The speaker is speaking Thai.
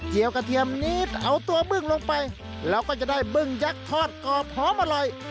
กระเทียมนิดเอาตัวบึ้งลงไปแล้วก็จะได้บึ้งยักษ์ทอดกรอบหอมอร่อย